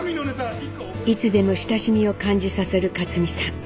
いつでも親しみを感じさせる克実さん。